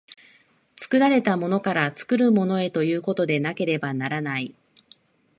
作られたものから作るものへということでなければならない。